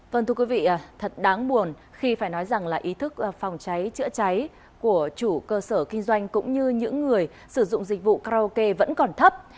vâng thưa quý vị thật đáng buồn khi phải nói rằng là ý thức phòng cháy chữa cháy của chủ cơ sở kinh doanh cũng như những người sử dụng dịch vụ karaoke vẫn còn thấp